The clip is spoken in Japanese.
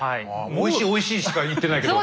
おいしいおいしいしか言ってないけど。